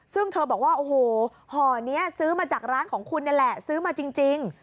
ซึ่งเธอบอกว่าโอ้โหห่อนี้ซื้อมาจากร้านของคุณนี่แหละซื้อมาจริง